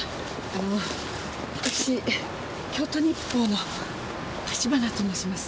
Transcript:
あの私京都日報の橘と申します。